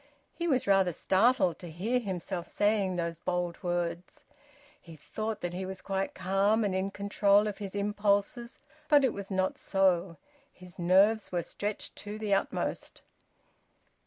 He was rather startled to hear himself saying those bold words. He thought that he was quite calm and in control of his impulses; but it was not so; his nerves were stretched to the utmost.